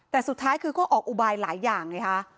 แต่สุดท้ายคือเขาก็ออกอุบัยหลายอย่าง